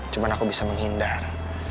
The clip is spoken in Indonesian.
cuman aku bisa menghindar